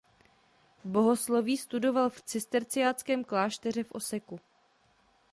Bohosloví studoval v cisterciáckém klášteře v Oseku.